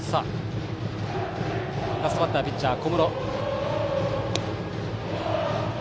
ラストバッターピッチャーの小室。